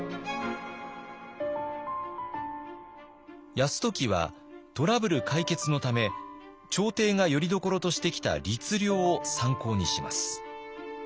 泰時はトラブル解決のため朝廷がよりどころとしてきた「律令」を参考にします。